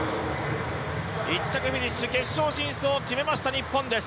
１着フィニッシュ、決勝進出を決めました日本です。